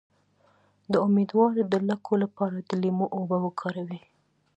د امیدوارۍ د لکو لپاره د لیمو اوبه وکاروئ